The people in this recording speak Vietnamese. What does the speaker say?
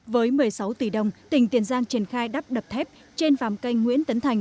với một mươi sáu tỷ đồng tỉnh tiền giang triển khai đắp đập thép trên vàm canh nguyễn tấn thành